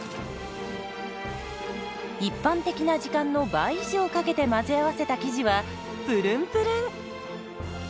一般的な時間の倍以上かけて混ぜ合わせた生地はプルンプルン。